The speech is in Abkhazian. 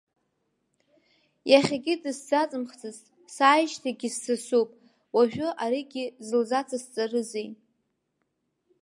Иахьагьы дысзаҵымхӡацт, сааижьҭеигьы ссасуп, уажәы аригьы зылзацсҵарызи!